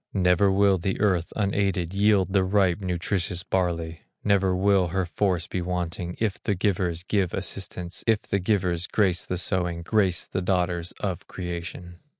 Never will the earth unaided, Yield the ripe nutritious barley; Never will her force be wanting, If the givers give assistance, If the givers grace the sowing, Grace the daughters of creation.